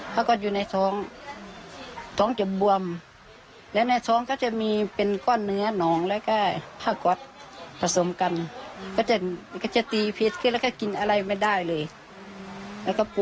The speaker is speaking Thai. พยาบาลผ่าอีกครั้งที่๒ครั้ง